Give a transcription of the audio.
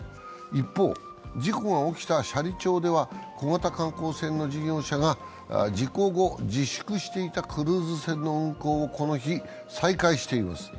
一方、事故が起きた斜里町では小型観光船の事業者が事故後、自粛していたクルーズ船の運航をこの日、再開しています。